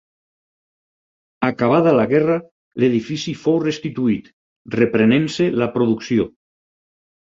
Acabada la guerra l'edifici fou restituït, reprenent-se la producció.